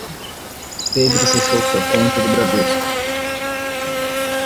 Pedro fechou sua conta do Bradesco.